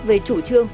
về chủ trương